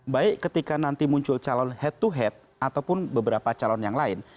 baik ketika nanti muncul calon head to head ataupun beberapa calon yang lain